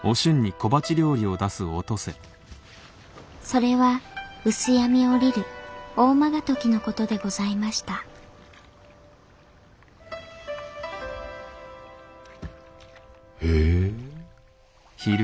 それは薄闇降りる逢魔ヶ時の事でございましたへえ。